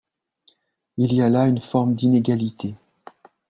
Il y a là une forme d’inégalité.